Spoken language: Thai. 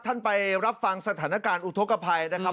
ไปรับฟังสถานการณ์อุทธกภัยนะครับ